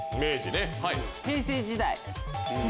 平成時代。